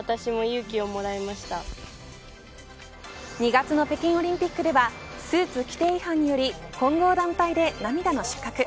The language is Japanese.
２月の北京オリンピックではスーツ規定違反により混合団体で涙の失格。